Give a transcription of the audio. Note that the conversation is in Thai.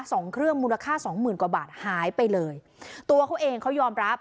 สองเครื่องมูลค่าสองหมื่นกว่าบาทหายไปเลยตัวเขาเองเขายอมรับ